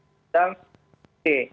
di bidang b